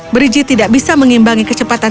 brigitte tidak bisa mengimbangi